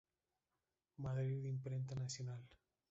Madrid Imprenta Nacional.